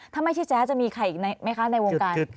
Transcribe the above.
ถ้าไม่ใช่แจ๊ดจะมีใครอีกไหมคะในวงการ